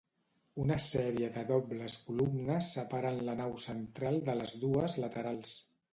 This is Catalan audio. Una sèrie de dobles columnes separen la nau central de les dues laterals.